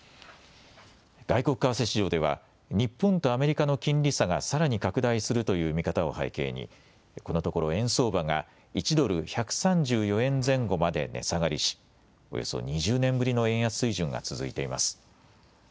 外国為替市場では日本とアメリカの金利差がさらに拡大するという見方を背景にこのところ円相場が１ドル１３４円前後まで値下がりしおよそ２０年ぶりの円安水準が続いています。